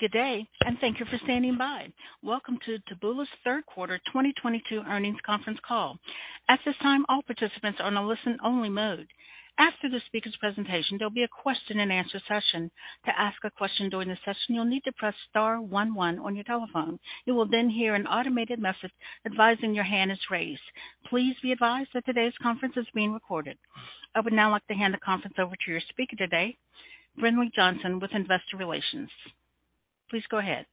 Good day, and thank you for standing by. Welcome to Taboola's 1/3 1/4 2022 earnings conference call. At this time, all participants are on a Listen-Only mode. After the speaker's presentation, there'll be a question and answer session. To ask a question during the session, you'll need to press star one one on your telephone. You will then hear an automated message advising your hand is raised. Please be advised that today's conference is being recorded. I would now like to hand the conference over to your speaker today, Jennifer Horsley with Investor Relations. Please go ahead.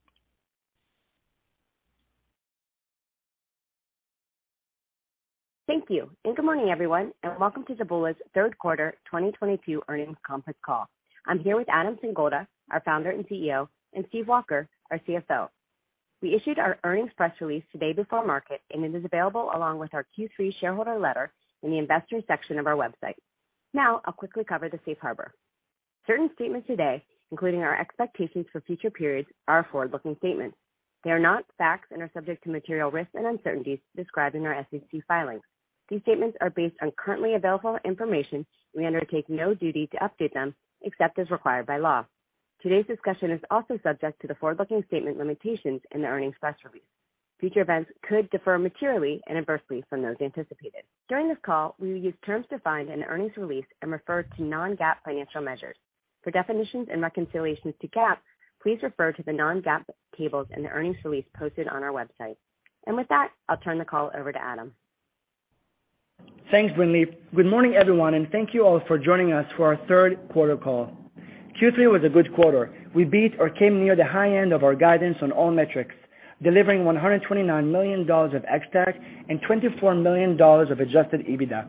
Thank you, and good morning, everyone, and welcome to Taboola's 1/3 1/4 2022 earnings conference call. I'm here with Adam Singolda, our Founder and CEO, and Stephen Walker, our CFO. We issued our earnings press release today before market, and it is available along with our Q3 shareholder letter in the investors section of our website. Now, I'll quickly cover the safe harbor. Certain statements today, including our expectations for future periods, are Forward-Looking statements. They are not facts and are subject to material risks and uncertainties described in our SEC filings. These statements are based on currently available information, and we undertake no duty to update them except as required by law. Today's discussion is also subject to the Forward-Looking statement limitations in the earnings press release. Future events could differ materially and adversely from those anticipated. During this call, we will use terms defined in the earnings release and refer to Non-GAAP financial measures. For definitions and reconciliations to GAAP, please refer to the Non-GAAP tables in the earnings release posted on our website. With that, I'll turn the call over to Adam. Thanks, Brynleigh. Good morning, everyone, and thank you all for joining us for our 1/3 1/4 call. Q3 was a good 1/4. We beat or came near the high end of our guidance on all metrics, delivering $129 million of xTAC and $24 million of adjusted EBITDA.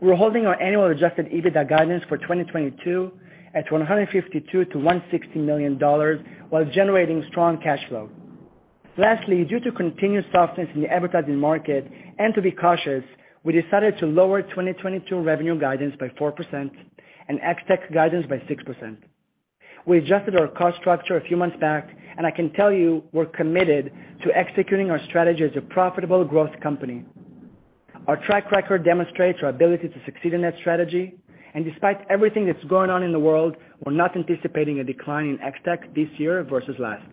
We're holding our annual adjusted EBITDA guidance for 2022 at $152 million-$160 million while generating strong cash flow. Lastly, due to continued softness in the advertising market and to be cautious, we decided to lower 2022 revenue guidance by 4% and xTAC guidance by 6%. We adjusted our cost structure a few months back, and I can tell you we're committed to executing our strategy as a profitable growth company. Our track record demonstrates our ability to succeed in that strategy. Despite everything that's going on in the world, we're not anticipating a decline in xTAC this year versus last.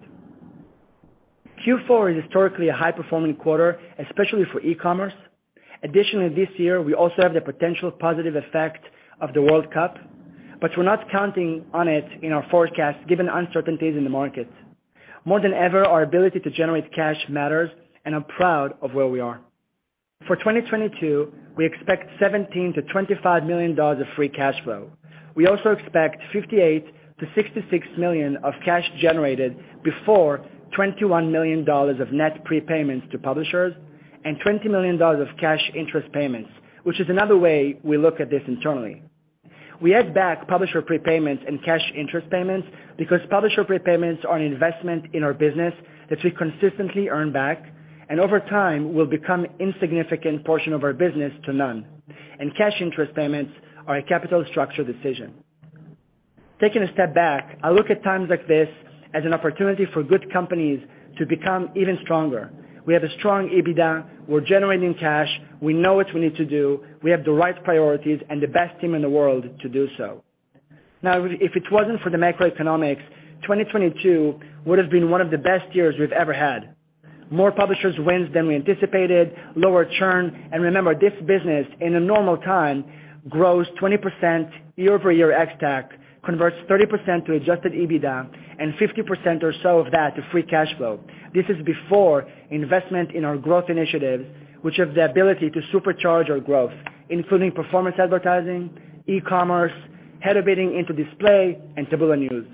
Q4 is historically a High-Performing 1/4, especially for E-Commerce. Additionally, this year, we also have the potential positive effect of the World Cup, but we're not counting on it in our forecast given uncertainties in the market. More than ever, our ability to generate cash matters, and I'm proud of where we are. For 2022, we expect $17 million-$25 million of free cash flow. We also expect $58 million-$66 million of cash generated before $21 million of net prepayments to publishers and $20 million of cash interest payments, which is another way we look at this internally. We add back publisher prepayments and cash interest payments because publisher prepayments are an investment in our business that we consistently earn back and over time will become insignificant portion of our business to none. Cash interest payments are a capital structure decision. Taking a step back, I look at times like this as an opportunity for good companies to become even stronger. We have a strong EBITDA. We're generating cash. We know what we need to do. We have the right priorities and the best team in the world to do so. Now, if it wasn't for the macroeconomics, 2022 would have been one of the best years we've ever had. More publishers wins than we anticipated, lower churn. Remember, this business in a normal time grows 20% Year-Over-Year Ex-TAC, converts 30% to Adjusted EBITDA, and 50% or so of that to Free Cash Flow. This is before investment in our growth initiatives, which have the ability to supercharge our growth, including performance advertising, E-Commerce, Header Bidding into display, and Taboola News.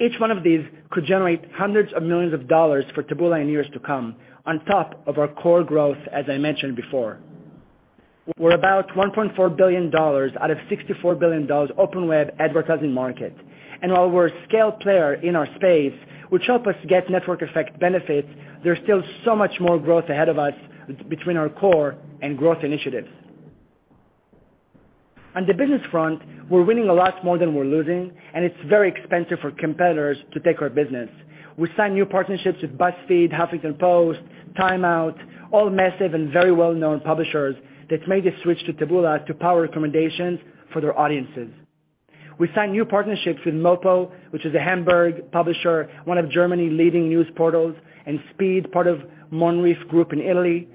Each one of these could generate hundreds of millions of dollars for Taboola in years to come on top of our core growth, as I mentioned before. We're about $1.4 billion out of $64 billion open web advertising market. While we're a scale player in our space, which help us get network effect benefits, there's still so much more growth ahead of us between our core and growth initiatives. On the business front, we're winning a lot more than we're losing, and it's very expensive for competitors to take our business. We signed new partnerships with BuzzFeed, HuffPost, Time Out, all massive and very Well-Known publishers that made the switch to Taboola to power recommendations for their audiences. We signed new partnerships with Mopo, which is a Hamburg publisher, one of Germany's leading news portals, and SpeeD, part of Monrif Group in Italy,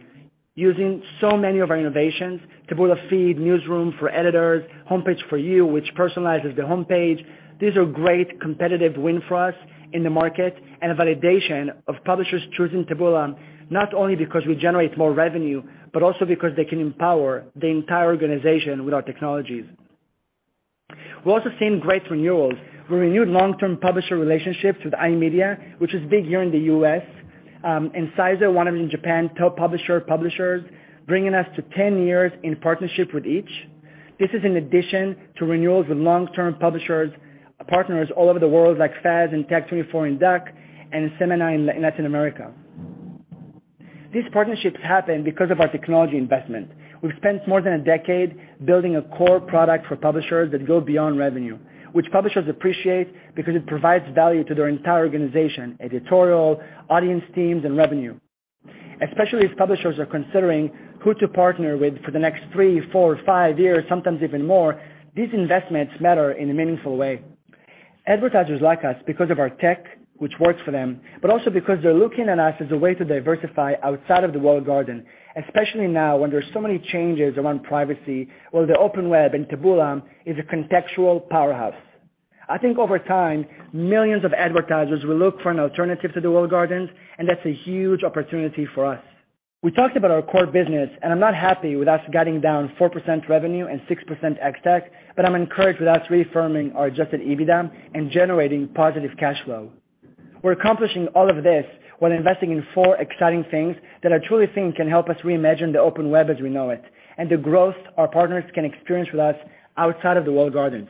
using so many of our innovations, Taboola Feed, Taboola Newsroom for editors, Homepage For You, which personalizes the homepage. These are great competitive wins for us in the market and a validation of publishers choosing Taboola, not only because we generate more revenue, but also because they can empower the entire organization with our technologies. We're also seeing great renewals. We renewed Long-Term publisher relationships with iMedia, which is big here in the US, and Sizr, one of Japan's top publishers, bringing us to 10 years in partnership with each. This is in addition to renewals with Long-Term publishers, partners all over the world like FAZ and Tech24 in DACH and Semana in Latin America. These partnerships happen because of our technology investment. We've spent more than a decade building a core product for publishers that go beyond revenue, which publishers appreciate because it provides value to their entire organization, editorial, audience teams, and revenue. Especially if publishers are considering who to partner with for the next 3, four, 5 years, sometimes even more, these investments matter in a meaningful way. Advertisers like us because of our tech, which works for them, but also because they're looking at us as a way to diversify outside of the walled garden, especially now when there's so many changes around privacy, while the open web and Taboola is a contextual powerhouse. I think over time, millions of advertisers will look for an alternative to the walled gardens, and that's a huge opportunity for us. We talked about our core business, and I'm not happy with us getting down 4% revenue and 6% Ex-TAC, but I'm encouraged with us reaffirming our adjusted EBITDA and generating positive cash flow. We're accomplishing all of this while investing in four exciting things that I truly think can help us reimagine the open web as we know it, and the growth our partners can experience with us outside of the walled gardens.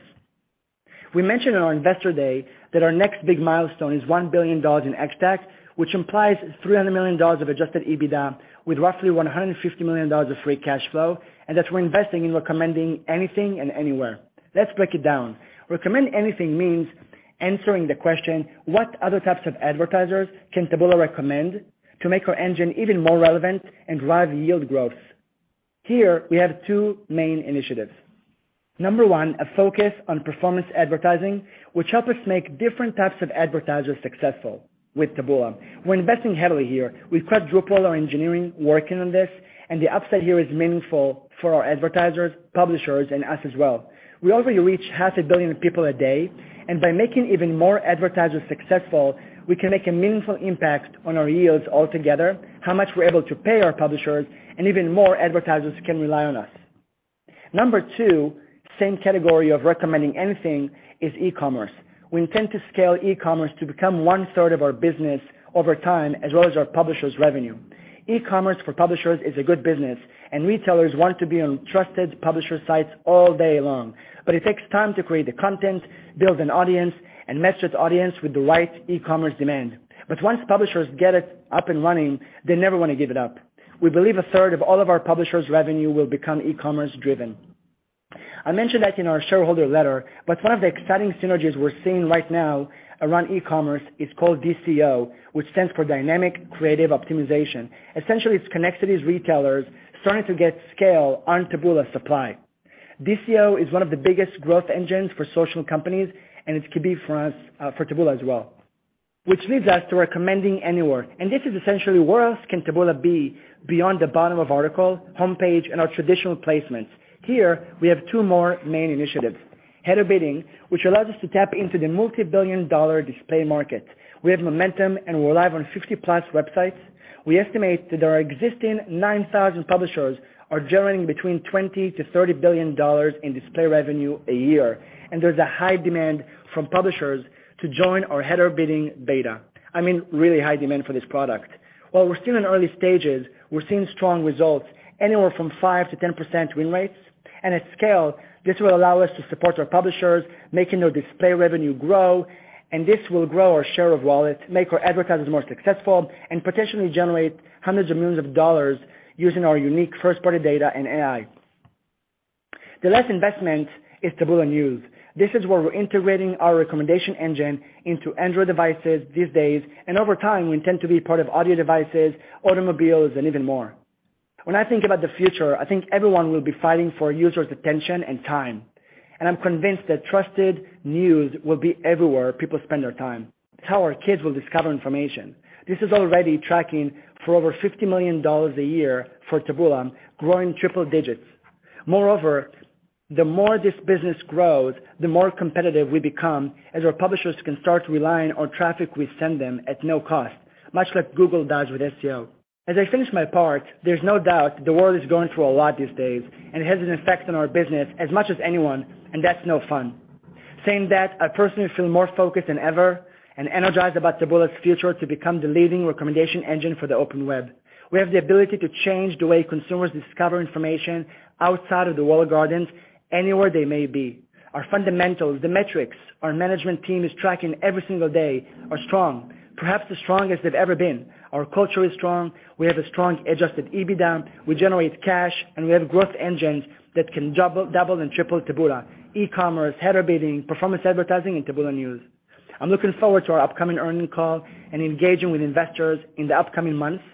We mentioned in our Investor Day that our next big milestone is $1 billion in Ex-TAC, which implies $300 million of adjusted EBITDA with roughly $150 million of free cash flow, and that we're investing in recommending anything and anywhere. Let's break it down. Recommend anything means answering the question, what other types of advertisers can Taboola recommend to make our engine even more relevant and drive yield growth? Here we have 2 main initiatives. Number one, a focus on performance advertising, which help us make different types of advertisers successful with Taboola. We're investing heavily here. We've quadrupled our engineering working on this, and the upside here is meaningful for our advertisers, publishers, and us as well. We already reach 1/2 a billion people a day, and by making even more advertisers successful, we can make a meaningful impact on our yields altogether, how much we're able to pay our publishers, and even more advertisers can rely on us. Number 2, same category of recommending anything, is E-Commerce. We intend to scale E-Commerce to become 1/3 of our business over time, as well as our publishers' revenue. E-Commerce for publishers is a good business, and retailers want to be on trusted publisher sites all day long. It takes time to create the content, build an audience, and match that audience with the right E-Commerce demand. Once publishers get it up and running, they never wanna give it up. We believe 1/3 of all of our publishers' revenue will become E-Commerce driven. I mentioned that in our shareholder letter, but one of the exciting synergies we're seeing right now around E-Commerce is called DCO, which stands for Dynamic Creative Optimization. Essentially, it's Connexity's retailers starting to get scale on Taboola supply. DCO is one of the biggest growth engines for social companies, and it could be for us, for Taboola as well. Which leads us to recommending anywhere, and this is essentially where else can Taboola be beyond the bottom of article, homepage, and our traditional placements? Here we have 2 more main initiatives. Header Bidding, which allows us to tap into the Multi-Billion-Dollar display market. We have momentum, and we're live on 50+ websites. We estimate that our existing 9,000 publishers are generating between $20 billion-$30 billion in display revenue a year, and there's a high demand from publishers to join our Header Bidding beta. I mean, really high demand for this product. While we're still in early stages, we're seeing strong results, anywhere from 5%-10% win rates, and at scale, this will allow us to support our publishers, making their display revenue grow, and this will grow our share of wallet, make our advertisers more successful, and potentially generate $hundreds of millions using our unique First-Party data and AI. The last investment is Taboola News. This is where we're integrating our recommendation engine into Android devices these days, and over time, we intend to be part of audio devices, automobiles, and even more. When I think about the future, I think everyone will be fighting for users' attention and time, and I'm convinced that trusted news will be everywhere people spend their time. It's how our kids will discover information. This is already tracking for over $50 million a year for Taboola, growing triple digits. Moreover, the more this business grows, the more competitive we become as our publishers can start relying on traffic we send them at no cost, much like Google does with SEO. As I finish my part, there's no doubt the world is going through a lot these days, and it has an effect on our business as much as anyone, and that's no fun. Saying that, I personally feel more focused than ever and energized about Taboola's future to become the leading recommendation engine for the open web. We have the ability to change the way consumers discover information outside of the walled gardens, anywhere they may be. Our fundamentals, the metrics our management team is tracking every single day are strong, perhaps the strongest they've ever been. Our culture is strong. We have a strong Adjusted EBITDA. We generate cash, and we have growth engines that can double and triple Taboola, E-Commerce, Header Bidding, performance advertising, and Taboola News. I'm looking forward to our upcoming earnings call and engaging with investors in the upcoming months,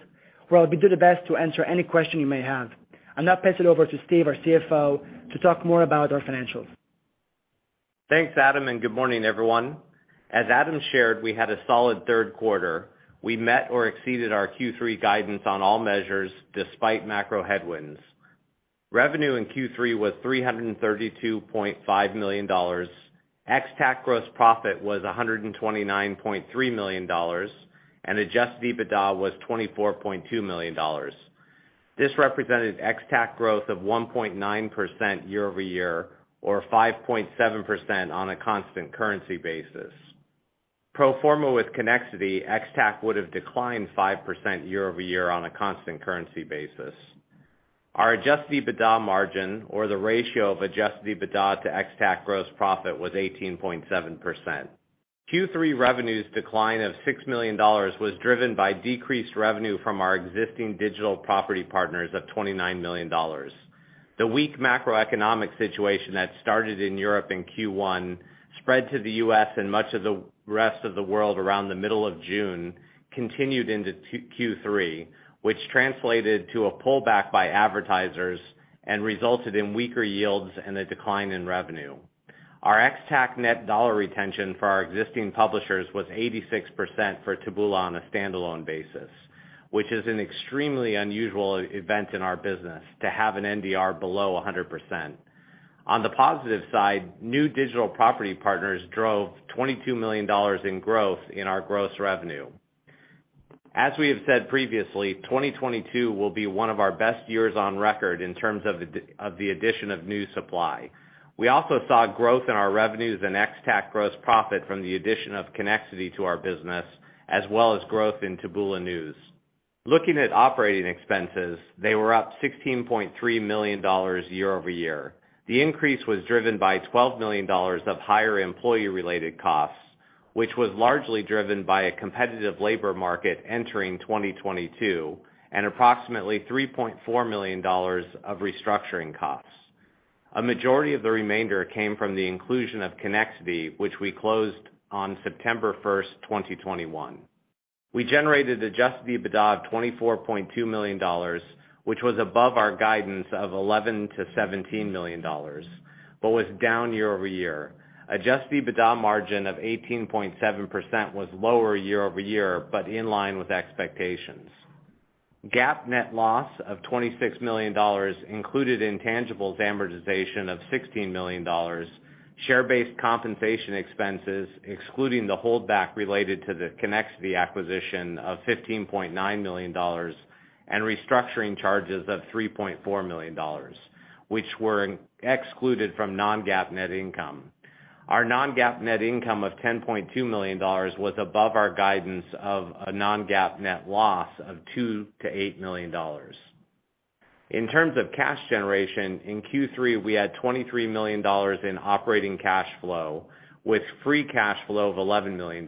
where I'll be doing my best to answer any question you may have. I'll now pass it over to Stephen, our CFO, to talk more about our financials. Thanks, Adam, and good morning, everyone. As Adam shared, we had a solid 1/3 1/4. We met or exceeded our Q3 guidance on all measures despite macro headwinds. Revenue in Q3 was $332.5 million. XTAC gross profit was $129.3 million, and adjusted EBITDA was $24.2 million. This represented xTAC growth of 1.9% Year-Over-Year or 5.7% on a constant currency basis. Pro forma with Connexity, xTAC would have declined 5% Year-Over-Year on a constant currency basis. Our adjusted EBITDA margin or the ratio of adjusted EBITDA to xTAC gross profit was 18.7%. Q3 revenues decline of $6 million was driven by decreased revenue from our existing digital property partners of $29 million. The weak macroeconomic situation that started in Europe in Q1 spread to the US and much of the rest of the world around the middle of June, continued into Q3, which translated to a pullback by advertisers and resulted in weaker yields and a decline in revenue. Our Ex-TAC net dollar retention for our existing publishers was 86% for Taboola on a standalone basis, which is an extremely unusual event in our business to have an NDR below 100%. On the positive side, new digital property partners drove $22 million in growth in our gross revenue. As we have said previously, 2022 will be one of our best years on record in terms of the addition of new supply. We also saw growth in our revenues and Ex-TAC gross profit from the addition of Connexity to our business, as well as growth in Taboola News. Looking at operating expenses, they were up $16.3 million Year-Over-Year. The increase was driven by $12 million of higher employee related costs, which was largely driven by a competitive labor market entering 2022, and approximately $3.4 million of restructuring costs. A majority of the remainder came from the inclusion of Connexity, which we closed on September 1, 2021. We generated Adjusted EBITDA of $24.2 million, which was above our guidance of $11 million-$17 million, but was down Year-Over-Year. Adjusted EBITDA margin of 18.7% was lower Year-Over-Year, but in line with expectations. GAAP net loss of $26 million included intangibles amortization of $16 million, share-based compensation expenses, excluding the holdback related to the Connexity acquisition of $15.9 million, and restructuring charges of $3.4 million, which were excluded from Non-GAAP net income. Our Non-GAAP net income of $10.2 million was above our guidance of a Non-GAAP net loss of $2 million-$8 million. In terms of cash generation, in Q3, we had $23 million in operating cash flow with free cash flow of $11 million.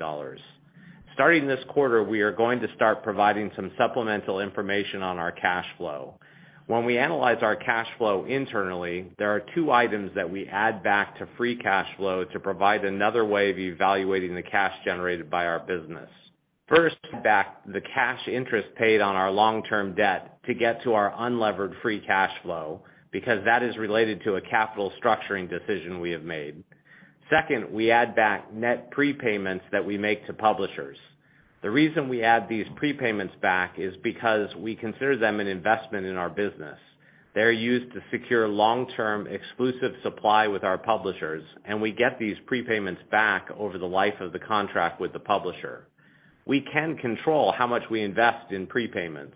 Starting this 1/4, we are going to start providing some supplemental information on our cash flow. When we analyze our cash flow internally, there are 2 items that we add back to free cash flow to provide another way of evaluating the cash generated by our business. First, back the cash interest paid on our Long-Term debt to get to our unlevered free cash flow because that is related to a capital structuring decision we have made. Second, we add back net prepayments that we make to publishers. The reason we add these prepayments back is because we consider them an investment in our business. They're used to secure Long-Term exclusive supply with our publishers, and we get these prepayments back over the life of the contract with the publisher. We can control how much we invest in prepayments.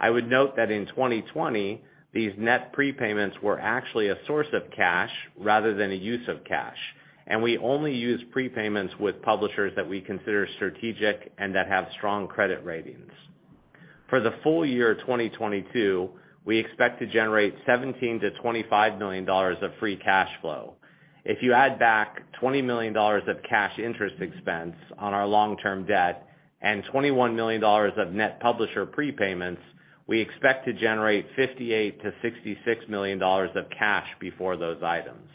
I would note that in 2020, these net prepayments were actually a source of cash rather than a use of cash, and we only use prepayments with publishers that we consider strategic and that have strong credit ratings. For the full year 2022, we expect to generate $17 million-$25 million of free cash flow. If you add back $20 million of cash interest expense on our Long-Term debt and $21 million of net publisher prepayments, we expect to generate $58 million-$66 million of cash before those items.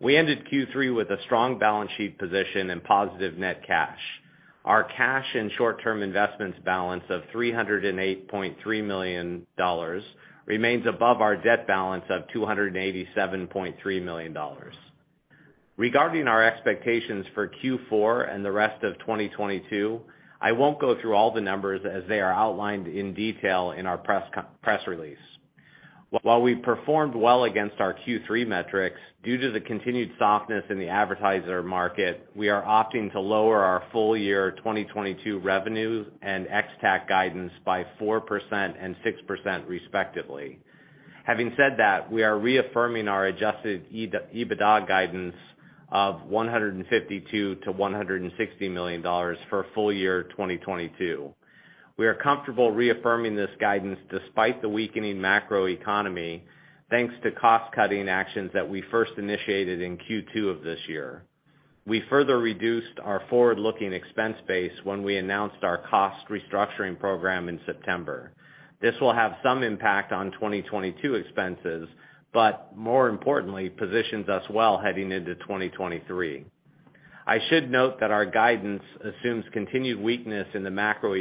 We ended Q3 with a strong balance sheet position and positive net cash. Our cash and short-term investments balance of $308.3 million remains above our debt balance of $287.3 million. Regarding our expectations for Q4 and the rest of 2022, I won't go through all the numbers as they are outlined in detail in our press release. While we performed well against our Q3 metrics, due to the continued softness in the advertiser market, we are opting to lower our full-year 2022 revenues and Ex-TAC guidance by 4% and 6%, respectively. Having said that, we are reaffirming our adjusted EBITDA guidance of $152 million-$160 million for full year 2022. We are comfortable reaffirming this guidance despite the weakening macroeconomy, thanks to cost-cutting actions that we first initiated in Q2 of this year. We further reduced our Forward-Looking expense base when we announced our cost restructuring program in September. This will have some impact on 2022 expenses, but more importantly, positions us well heading into 2023. I should note that our guidance assumes continued weakness in the macro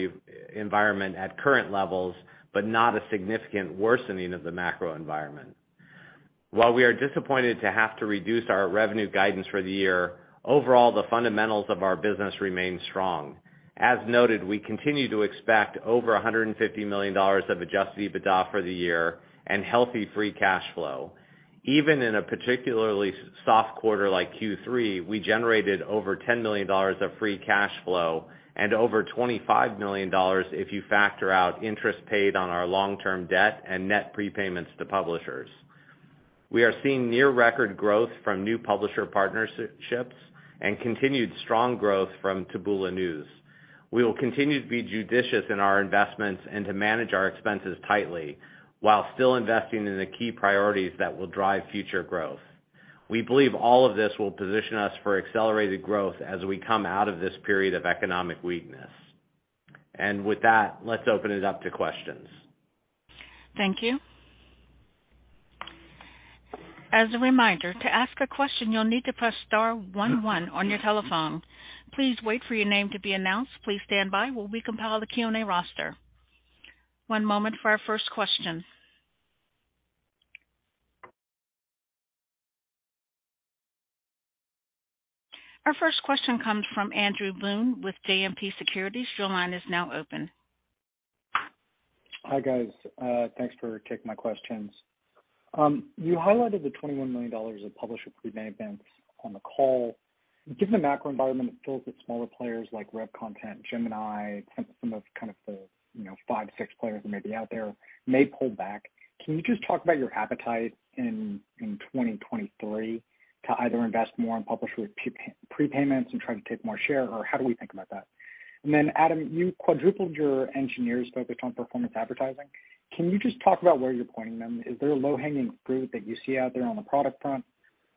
environment at current levels, but not a significant worsening of the macro environment. While we are disappointed to have to reduce our revenue guidance for the year, overall, the fundamentals of our business remain strong. As noted, we continue to expect over $150 million of Adjusted EBITDA for the year and healthy free cash flow. Even in a particularly soft 1/4 like Q3, we generated over $10 million of free cash flow and over $25 million if you factor out interest paid on our Long-Term debt and net prepayments to publishers. We are seeing near record growth from new publisher partnerships and continued strong growth from Taboola News. We will continue to be judicious in our investments and to manage our expenses tightly while still investing in the key priorities that will drive future growth. We believe all of this will position us for accelerated growth as we come out of this period of economic weakness. With that, let's open it up to questions. Thank you. As a reminder, to ask a question, you'll need to press star one one on your telephone. Please wait for your name to be announced. Please stand by while we compile the Q&A roster. One moment for our first question. Our first question comes from Andrew Boone with JMP Securities. Your line is now open. Hi, guys. Thanks for taking my questions. You highlighted the $21 million of publisher prepayments on the call. Given the macro environment filled with smaller players like RevContent, Gemini, some of the, you know, 5, 6 players who may be out there may pull back, can you just talk about your appetite in 2023 to either invest more in publisher prepayments and try to take more share, or how do we think about that? Adam, you quadrupled your engineers focused on performance advertising. Can you just talk about where you're pointing them? Is there a low-hanging fruit that you see out there on the product front?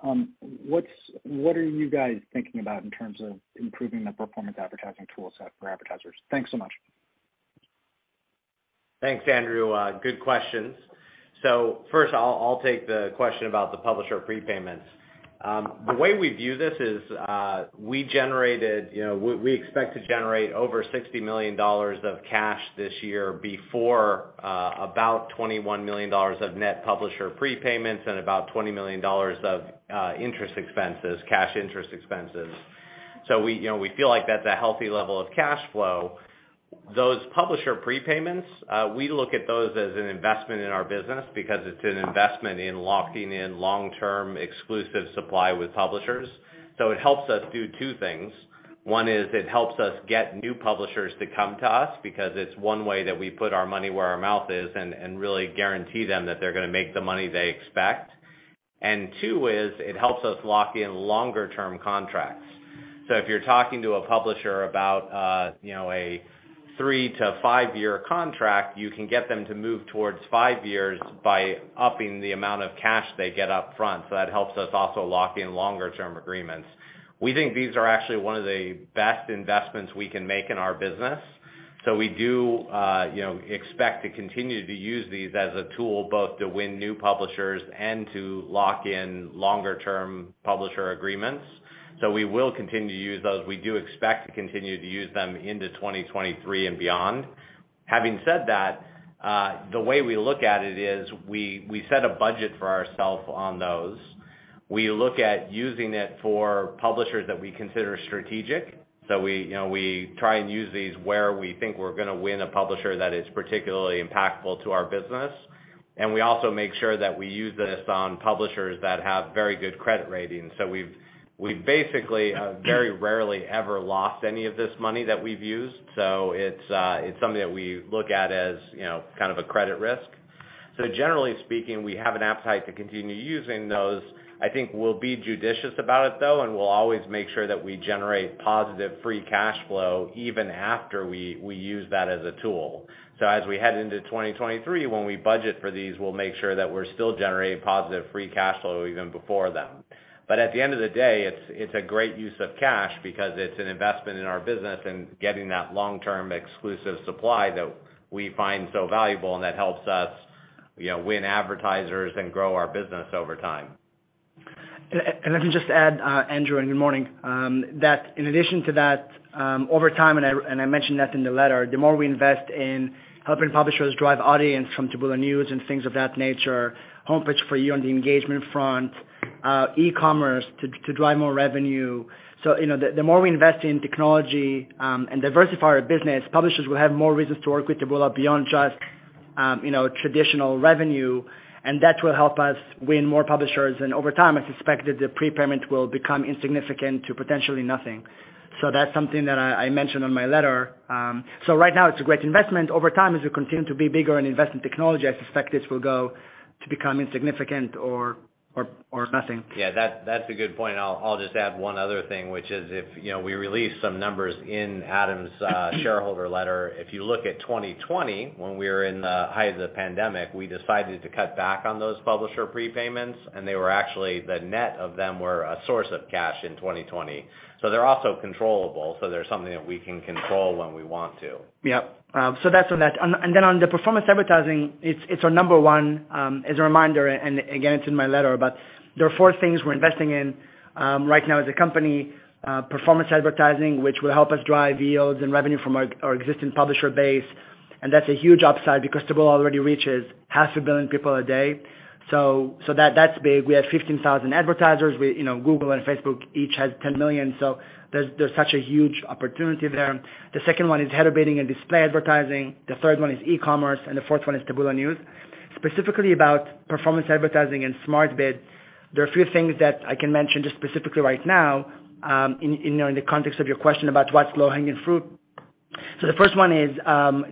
What are you guys thinking about in terms of improving the performance advertising tool set for advertisers? Thanks so much. Thanks, Andrew. Good questions. First, I'll take the question about the publisher prepayments. The way we view this is, we generated, you know, we expect to generate over $60 million of cash this year before about $21 million of net publisher prepayments and about $20 million of interest expenses, cash interest expenses. We, you know, we feel like that's a healthy level of cash flow. Those publisher prepayments, we look at those as an investment in our business because it's an investment in locking in Long-Term exclusive supply with publishers. It helps us do 2 things. One is it helps us get new publishers to come to us because it's one way that we put our money where our mouth is and really guarantee them that they're gonna make the money they expect. Two is it helps us lock in longer term contracts. If you're talking to a publisher about, you know, a 3-5-year contract, you can get them to move towards 5 years by upping the amount of cash they get up front. That helps us also lock in longer term agreements. We think these are actually one of the best investments we can make in our business. We do, you know, expect to continue to use these as a tool, both to win new publishers and to lock in longer term publisher agreements. We will continue to use those. We do expect to continue to use them into 2023 and beyond. Having said that, the way we look at it is we set a budget for ourself on those. We look at using it for publishers that we consider strategic. We, you know, we try and use these where we think we're gonna win a publisher that is particularly impactful to our business. We also make sure that we use this on publishers that have very good credit ratings. We've basically very rarely ever lost any of this money that we've used. It's something that we look at as, you know, kind of a credit risk. Generally speaking, we have an appetite to continue using those. I think we'll be judicious about it though, and we'll always make sure that we generate positive Free Cash Flow even after we use that as a tool. As we head into 2023, when we budget for these, we'll make sure that we're still generating positive Free Cash Flow even before them. At the end of the day, it's a great use of cash because it's an investment in our business and getting that Long-Term exclusive supply that we find so valuable and that helps us, you know, win advertisers and grow our business over time. Let me just add, Andrew, and good morning, that in addition to that, over time, I mentioned that in the letter, the more we invest in helping publishers drive audience from Taboola News and things of that nature, Homepage For You on the engagement front, E-Commerce to drive more revenue. You know, the more we invest in technology and diversify our business, publishers will have more reasons to work with Taboola beyond just, you know, traditional revenue, and that will help us win more publishers. Over time, I suspect that the prepayment will become insignificant to potentially nothing. That's something that I mentioned on my letter. Right now it's a great investment. Over time, as we continue to be bigger and invest in technology, I suspect this will go to become insignificant or nothing. Yeah, that's a good point. I'll just add one other thing, which is if you know, we released some numbers in Adam's shareholder letter. If you look at 2020 when we were in the height of the pandemic, we decided to cut back on those publisher prepayments, and they were actually the net of them were a source of cash in 2020. They're also controllable. They're something that we can control when we want to. Yeah. That's on that. On the performance advertising, it's our number one, as a reminder, and again, it's in my letter, but there are four things we're investing in right now as a company. Performance advertising, which will help us drive yields and revenue from our existing publisher base, and that's a huge upside because Taboola already reaches 1/2 a billion people a day. That's big. We have 15,000 advertisers. You know, Google and Facebook each has 10 million, so there's such a huge opportunity there. The second one is Header Bidding and display advertising. The 1/3 one is E-Commerce, and the fourth one is Taboola News. Specifically about performance advertising and Smart Bid, there are a few things that I can mention just specifically right now, you know, in the context of your question about what's low-hanging fruit. The first one is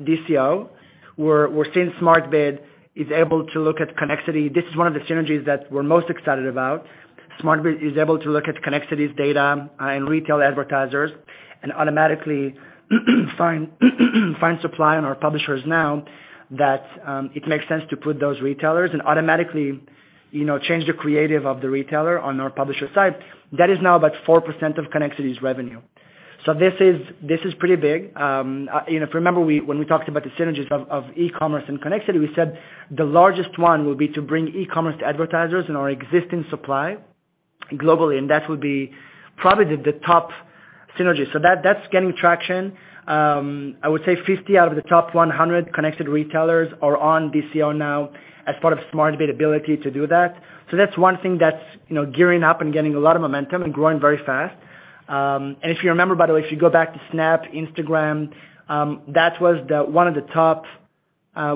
DCO. We're seeing Smart Bid is able to look at Connexity. This is one of the synergies that we're most excited about. Smart Bid is able to look at Connexity's data and retail advertisers and automatically find supply on our publishers now that it makes sense to put those retailers and automatically, you know, change the creative of the retailer on our publisher side. That is now about 4% of Connexity's revenue. This is pretty big. You know, if you remember, when we talked about the synergies of E-Commerce and connected, we said the largest one will be to bring E-Commerce to advertisers in our existing supply globally, and that would be probably the top synergy. That's gaining traction. I would say 50 out of the top 100 connected retailers are on DCO now as part of Smart Bid ability to do that. That's one thing that's, you know, gearing up and getting a lot of momentum and growing very fast. If you remember, by the way, if you go back to Snap, Instagram, that was one of the top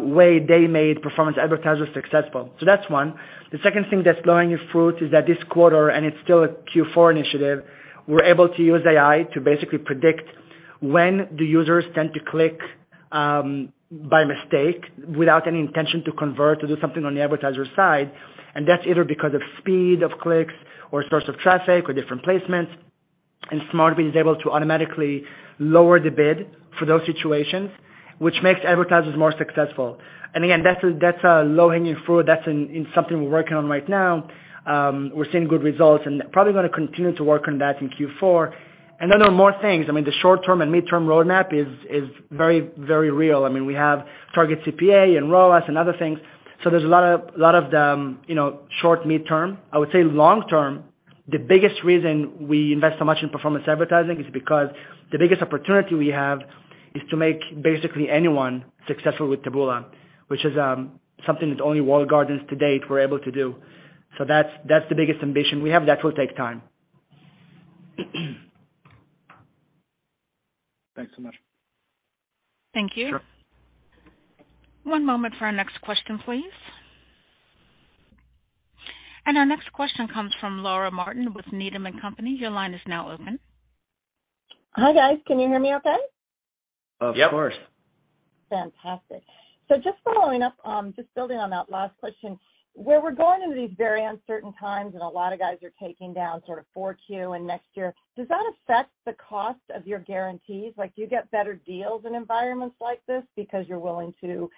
way they made performance advertisers successful. That's one. The second thing that's low-hanging fruit is that this 1/4, and it's still a Q4 initiative, we're able to use AI to basically predict when do users tend to click by mistake without any intention to convert or do something on the advertiser side. That's either because of speed of clicks or source of traffic or different placements. Smart Bid is able to automatically lower the bid for those situations, which makes advertisers more successful. Again, that's a low-hanging fruit. That's something we're working on right now. We're seeing good results and probably gonna continue to work on that in Q4. Then there are more things. I mean, the short-term and midterm roadmap is very, very real. I mean, we have Target CPA and ROAS and other things. There's a lot of them, you know, short, midterm. I would say Long-Term, the biggest reason we invest so much in performance advertising is because the biggest opportunity we have is to make basically anyone successful with Taboola, which is something that only walled gardens to date were able to do. That's the biggest ambition we have. That will take time. Thanks so much. Thank you. Sure. One moment for our next question, please. Our next question comes from Laura Martin with Needham & Company. Your line is now open. Hi, guys. Can you hear me okay? Of course. Yep. Fantastic. Just following up, just building on that last question, where we're going into these very uncertain times and a lot of guys are taking down sort of 4Q and next year, does that affect the cost of your guarantees? Like, do you get better deals in environments like this because you're willing to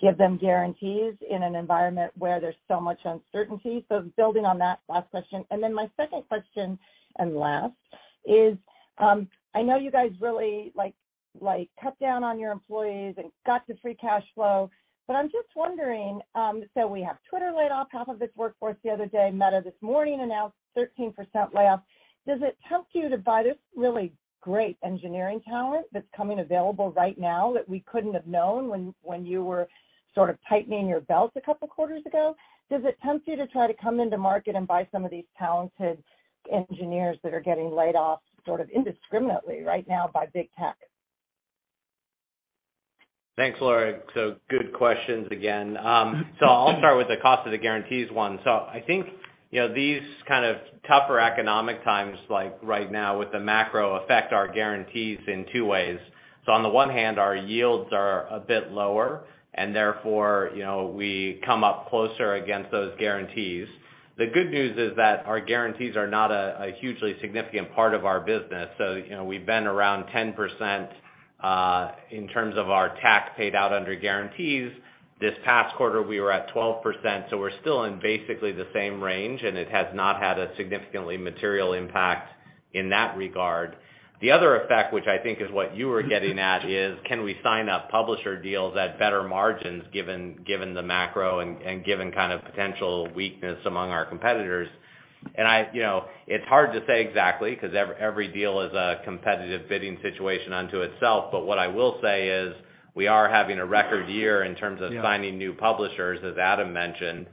give them guarantees in an environment where there's so much uncertainty? Building on that last question. Then my second question, and last, is, I know you guys really, like, cut down on your employees and got to free cash flow, but I'm just wondering, so we have Twitter laid off 1/2 of its workforce the other day, Meta this morning announced 13% layoff. Does it tempt you to buy this really great engineering talent that's coming available right now that we couldn't have known when you were sort of tightening your belt a couple 1/4s ago? Does it tempt you to try to come into market and buy some of these talented engineers that are getting laid off sort of indiscriminately right now by big tech? Thanks, Laura. Good questions again. I'll start with the cost of the guarantees one. I think, you know, these kind of tougher economic times like right now with the macro affect our guarantees in 2 ways. On the one hand, our yields are a bit lower and therefore, you know, we come up closer against those guarantees. The good news is that our guarantees are not a hugely significant part of our business. You know, we've been around 10% in terms of our TAC paid out under guarantees. This past 1/4, we were at 12%, so we're still in basically the same range, and it has not had a significantly material impact in that regard. The other effect, which I think is what you were getting at, is can we sign up publisher deals at better margins given the macro and given kind of potential weakness among our competitors. You know, it's hard to say exactly 'cause every deal is a competitive bidding situation unto itself. What I will say is we are having a record year in terms of Yeah signing new publishers, as Adam mentioned.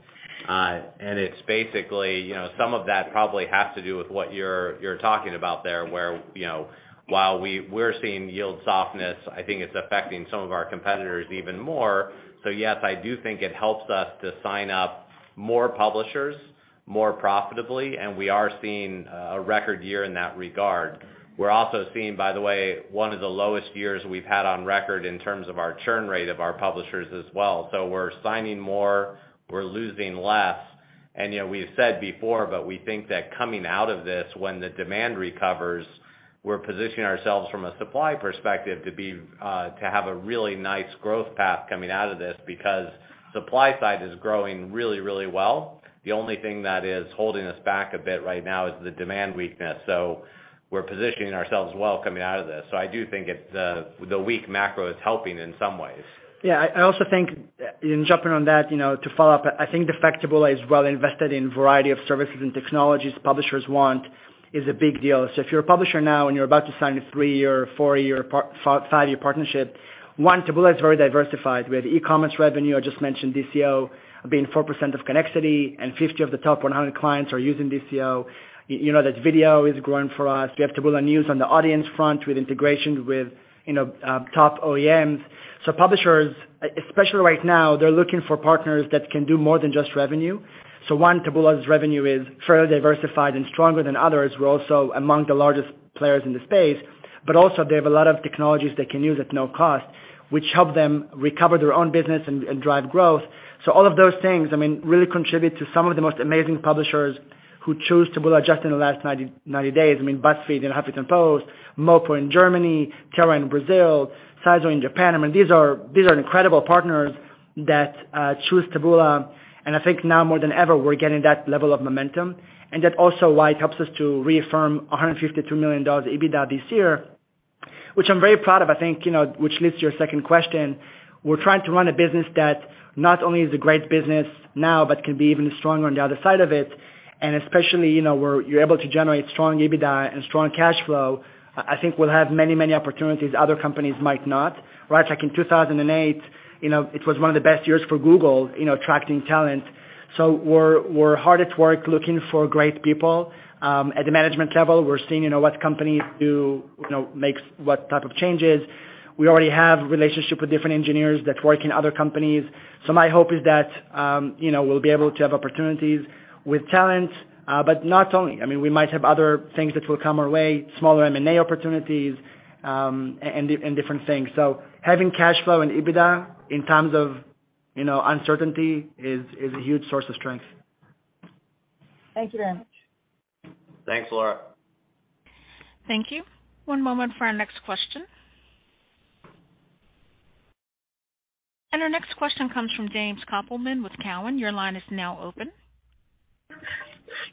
It's basically, you know, some of that probably has to do with what you're talking about there, where, you know, while we're seeing yield softness, I think it's affecting some of our competitors even more. Yes, I do think it helps us to sign up more publishers more profitably, and we are seeing a record year in that regard. We're also seeing, by the way, one of the lowest years we've had on record in terms of our churn rate of our publishers as well. We're signing more, we're losing less. You know, we've said before, but we think that coming out of this, when the demand recovers, we're positioning ourselves from a supply perspective to be to have a really nice growth path coming out of this because supply side is growing really, really well. The only thing that is holding us back a bit right now is the demand weakness. We're positioning ourselves well coming out of this. I do think the weak macro is helping in some ways. Yeah. I also think in jumping on that, you know, to follow up, I think the fact Taboola is well invested in variety of services and technologies publishers want is a big deal. If you're a publisher now and you're about to sign a 3-year or 4-year or 5-year partnership, one, Taboola is very diversified. We have E-Commerce revenue. I just mentioned DCO being 4% of connected, and 50 of the top 100 clients are using DCO. You know that video is growing for us. We have Taboola News on the audience front with integrations with, you know, top OEMs. Publishers, especially right now, they're looking for partners that can do more than just revenue. One, Taboola's revenue is fairly diversified and stronger than others. We're also among the largest players in the space. They have a lot of technologies they can use at no cost, which help them recover their own business and drive growth. All of those things, I mean, really contribute to some of the most amazing publishers who choose Taboola just in the last 90 days. I mean, BuzzFeed and HuffPost, Mopo in Germany, Terra in Brazil, Sizeo in Japan. I mean, these are incredible partners that choose Taboola. I think now more than ever, we're getting that level of momentum and that also why it helps us to reaffirm $152 million EBITDA this year, which I'm very proud of. I think, you know, which leads to your second question. We're trying to run a business that not only is a great business now, but can be even stronger on the other side of it. Especially, you know, where you're able to generate strong EBITDA and strong cash flow, I think we'll have many, many opportunities other companies might not, right? Like in 2008, you know, it was one of the best years for Google, you know, attracting talent. We're hard at work looking for great people. At the management level, we're seeing, you know, what companies do, you know, makes what type of changes. We already have relationship with different engineers that work in other companies. My hope is that, you know, we'll be able to have opportunities with talent, but not only, I mean, we might have other things that will come our way, smaller M&A opportunities, and different things. Having cash flow and EBITDA in times of, you know, uncertainty is a huge source of strength. Thank you very much. Thanks, Laura. Thank you. One moment for our next question. Our next question comes from James Kopelman with Cowen. Your line is now open.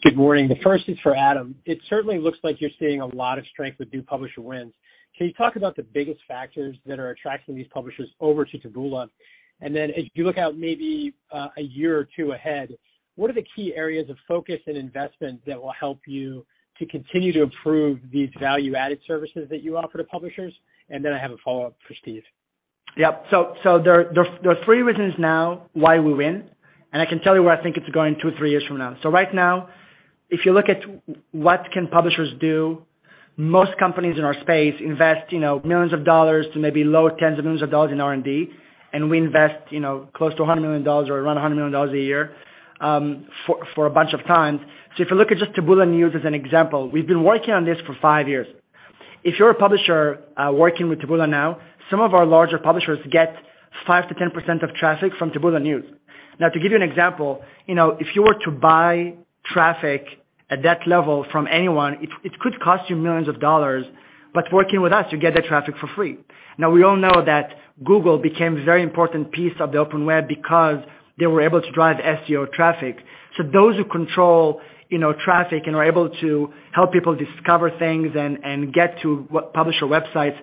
Good morning. The first is for Adam. It certainly looks like you're seeing a lot of strength with new publisher wins. Can you talk about the biggest factors that are attracting these publishers over to Taboola? And then as you look out maybe, a year or 2 ahead, what are the key areas of focus and investment that will help you to continue to improve these value-added services that you offer to publishers? And then I have a follow-up for Stephen. Yeah. There are 3 reasons now why we win, and I can tell you where I think it's going 2-3 years from now. Right now, if you look at what can publishers do, most companies in our space invest, you know, millions of dollars to maybe lower tens of millions of dollars in R&D. We invest, you know, close to $100 million or around $100 million a year, for a bunch of times. If you look at just Taboola News as an example, we've been working on this for 5 years. If you're a publisher working with Taboola now, some of our larger publishers get 5%-10% of traffic from Taboola News. Now, to give you an example, you know, if you were to buy traffic at that level from anyone, it could cost you millions of dollars. But working with us, you get that traffic for free. Now, we all know that Google became a very important piece of the open web because they were able to drive SEO traffic. So those who control, you know, traffic and are able to help people discover things and get to what publisher websites,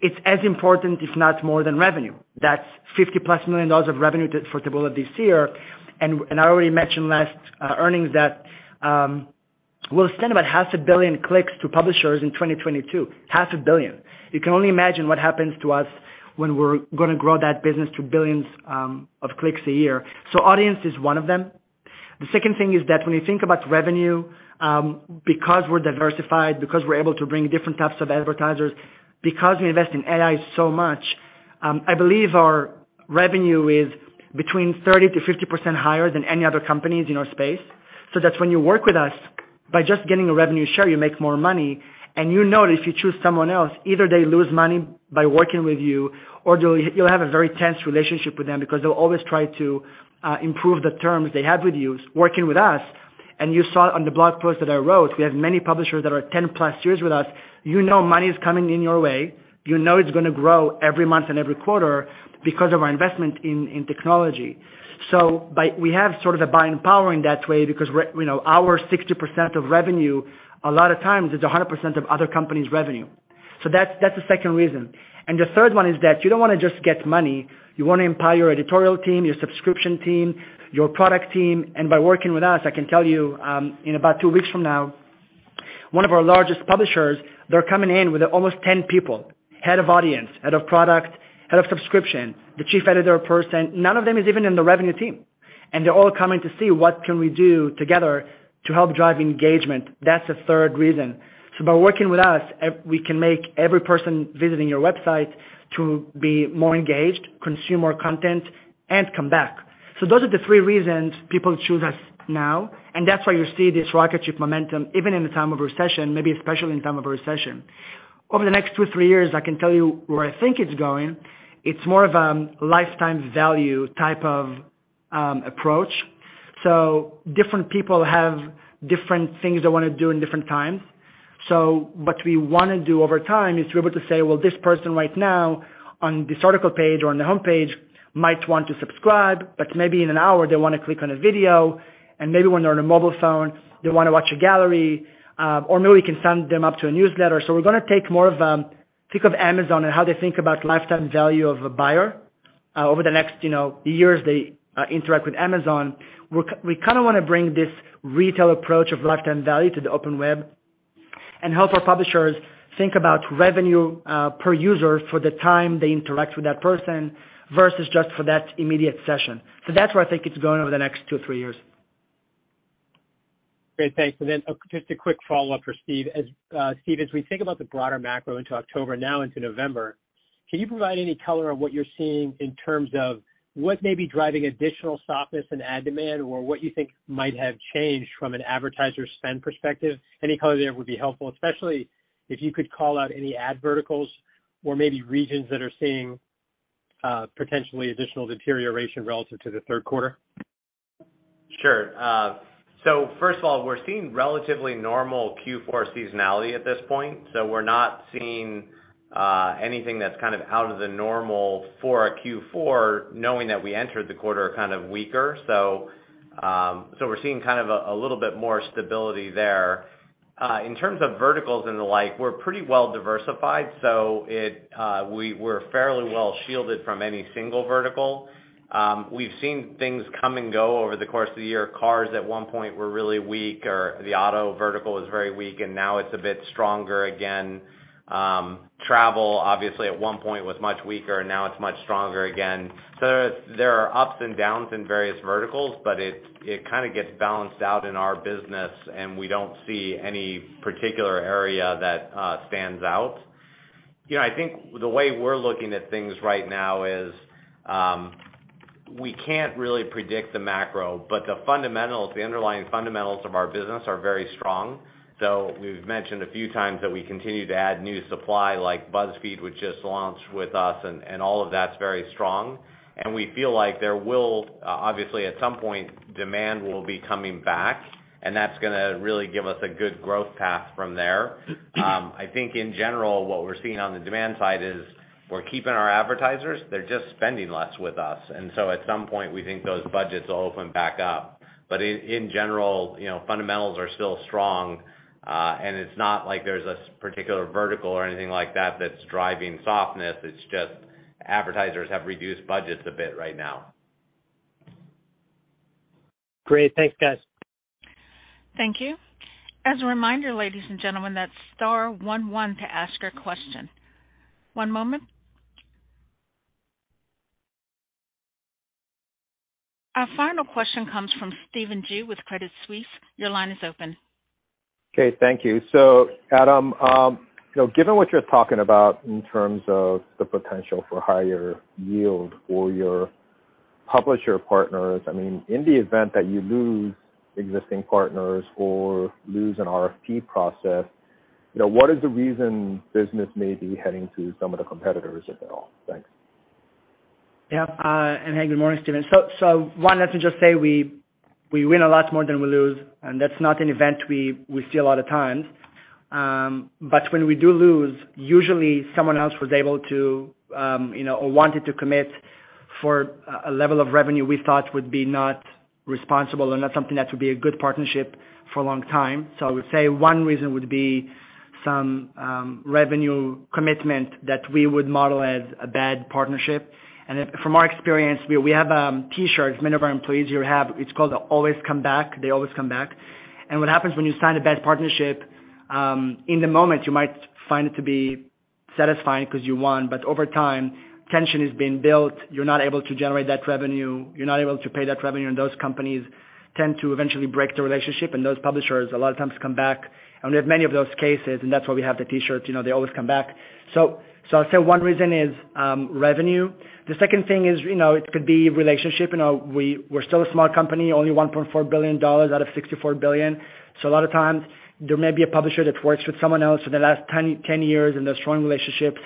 it's as important, if not more than revenue. That's $50+ million of revenue for Taboola this year. And I already mentioned last earnings that we'll send about 500 million clicks to publishers in 2022. 500 million. You can only imagine what happens to us when we're gonna grow that business to billions of clicks a year. Audience is one of them. The second thing is that when you think about revenue, because we're diversified, because we're able to bring different types of advertisers, because we invest in AI so much, I believe our revenue is between 30%-50% higher than any other companies in our space. That's when you work with us, by just getting a revenue share, you make more money. You know that if you choose someone else, either they lose money by working with you, or you'll have a very tense relationship with them because they'll always try to improve the terms they have with you working with us. You saw on the blog post that I wrote, we have many publishers that are 10+ years with us. You know money is coming in your way. You know it's gonna grow every month and every 1/4 because of our investment in technology. We have sort of a buying power in that way because we're, you know, our 60% of revenue, a lot of times it's 100% of other companies' revenue. That's the second reason. The 1/3 one is that you don't wanna just get money, you wanna empower your editorial team, your subscription team, your product team. By working with us, I can tell you, in about 2 weeks from now, one of our largest publishers, they're coming in with almost 10 people, head of audience, head of product, head of subscription, the chief editor person. None of them is even in the revenue team. They're all coming to see what can we do together to help drive engagement. That's the 1/3 reason. By working with us, we can make every person visiting your website to be more engaged, consume more content and come back. Those are the 3 reasons people choose us now, and that's why you see this rocket ship momentum even in the time of recession, maybe especially in the time of a recession. Over the next 2, 3 years, I can tell you where I think it's going. It's more of lifetime value type of approach. Different people have different things they wanna do in different times. What we wanna do over time is to be able to say, well, this person right now on this article page or on the homepage might want to subscribe, but maybe in an hour they wanna click on a video, and maybe when they're on a mobile phone, they wanna watch a gallery, or maybe we can sign them up to a newsletter. We're gonna take more of a think of Amazon and how they think about lifetime value of a buyer over the next, you know, years they interact with Amazon. We kinda wanna bring this retail approach of lifetime value to the open web and help our publishers think about revenue per user for the time they interact with that person versus just for that immediate session. That's where I think it's going over the next 2, 3 years. Great. Thanks. Just a quick follow-up for Stephen. Stephen, as we think about the broader macro into October, now into November, can you provide any color on what you're seeing in terms of what may be driving additional softness in ad demand or what you think might have changed from an advertiser spend perspective? Any color there would be helpful, especially if you could call out any ad verticals or maybe regions that are seeing potentially additional deterioration relative to the 1/3 1/4. Sure. First of all, we're seeing relatively normal Q4 seasonality at this point, so we're not seeing anything that's kind of out of the normal for a Q4, knowing that we entered the 1/4 kind of weaker. We're seeing kind of a little bit more stability there. In terms of verticals and the like, we're pretty well diversified. We're fairly well shielded from any single vertical. We've seen things come and go over the course of the year. Cars at one point were really weak, or the auto vertical was very weak, and now it's a bit stronger again. Travel obviously at one point was much weaker, and now it's much stronger again. There are ups and downs in various verticals, but it kinda gets balanced out in our business, and we don't see any particular area that stands out. You know, I think the way we're looking at things right now is we can't really predict the macro, but the fundamentals, the underlying fundamentals of our business are very strong. We've mentioned a few times that we continue to add new supply, like BuzzFeed, which just launched with us, and all of that's very strong. We feel like there will obviously at some point demand will be coming back, and that's gonna really give us a good growth path from there. I think in general what we're seeing on the demand side is we're keeping our advertisers, they're just spending less with us. At some point we think those budgets will open back up. In general, you know, fundamentals are still strong, and it's not like there's a particular vertical or anything like that that's driving softness. It's just advertisers have reduced budgets a bit right now. Great. Thanks guys. Thank you. As a reminder, ladies and gentlemen, that's star one one to ask a question. One moment. Our final question comes from Stephen Ju with Credit Suisse. Your line is open. Okay, thank you. Adam, you know, given what you're talking about in terms of the potential for higher yield for your publisher partners, I mean, in the event that you lose existing partners or lose an RFP process, you know, what is the reason business may be heading to some of the competitors if at all? Thanks. Yeah. Hey, good morning, Stephen. One, let me just say we win a lot more than we lose, and that's not an event we see a lot of times. When we do lose, usually someone else was able to, you know, or wanted to commit for a level of revenue we thought would be not responsible or not something that would be a good partnership for a long time. I would say one reason would be some revenue commitment that we would model as a bad partnership. From our experience, we have T-shirts, many of our employees here have. It's called Always Come Back. They always come back. What happens when you sign a bad partnership, in the moment you might find it to be satisfying 'cause you won, but over time, tension is being built, you're not able to generate that revenue, you're not able to pay that revenue, and those companies tend to eventually break the relationship, and those publishers a lot of times come back. We have many of those cases, and that's why we have the T-shirts, you know, they always come back. So I'll say one reason is revenue. The second thing is, you know, it could be relationship. You know, we're still a small company, only $1.4 billion out of $64 billion. So a lot of times there may be a publisher that works with someone else for the last ten years and there's strong relationships.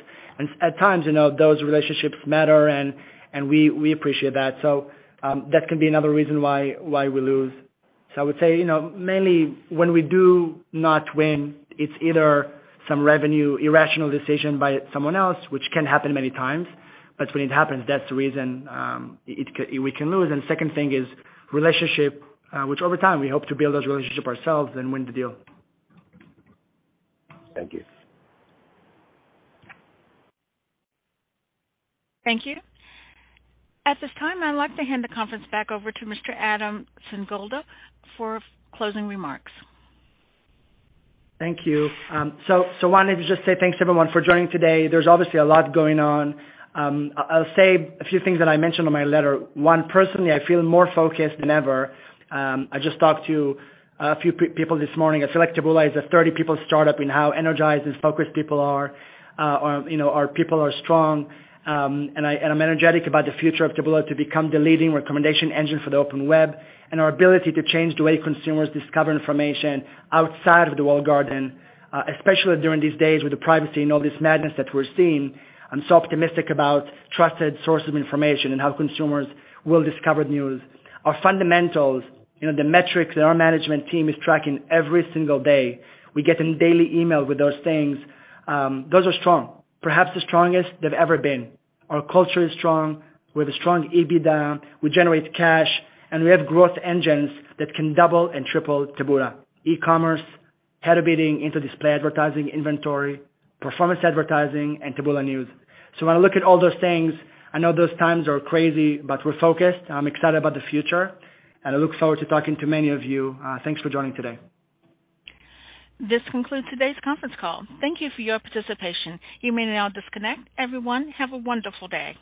At times, you know, those relationships matter and we appreciate that. That can be another reason why we lose. I would say, you know, mainly when we do not win, it's either some revenue irrational decision by someone else, which can happen many times. When it happens, that's the reason we can lose. Second thing is relationship, which over time we hope to build those relationship ourselves and win the deal. Thank you. Thank you. At this time, I'd like to hand the conference back over to Mr. Adam Singolda for closing remarks. Thank you. Wanted to just say thanks everyone for joining today. There's obviously a lot going on. I'll say a few things that I mentioned on my letter. One, personally, I feel more focused than ever. I just talked to a few people this morning. I feel like Taboola is a 30-person startup in how energized and focused people are. You know, our people are strong. I'm energetic about the future of Taboola to become the leading recommendation engine for the open web and our ability to change the way consumers discover information outside of the walled garden, especially during these days with the privacy and all this madness that we're seeing. I'm so optimistic about trusted sources of information and how consumers will discover news. Our fundamentals, you know, the metrics that our management team is tracking every single day, we get a daily email with those things. Those are strong. Perhaps the strongest they've ever been. Our culture is strong. We have a strong EBITDA. We generate cash, and we have growth engines that can double and triple Taboola. E-commerce, Header Bidding into display advertising inventory, performance advertising, and Taboola News. When I look at all those things, I know those times are crazy, but we're focused. I'm excited about the future, and I look forward to talking to many of you. Thanks for joining today. This concludes today's conference call. Thank you for your participation. You may now disconnect. Everyone, have a wonderful day.